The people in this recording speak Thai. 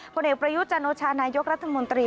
ผลเอกประยุจันโอชานายกรัฐมนตรี